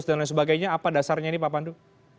dan lain sebagainya apa dasarnya ini pak pandu